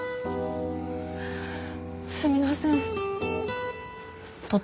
すみません。